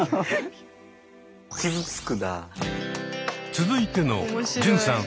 続いての純さん